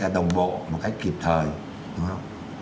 đồng bộ một cách kịp thời đúng không